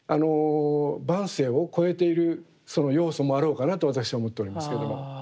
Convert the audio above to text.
「万声」を超えているその要素もあろうかなと私は思っておりますけども。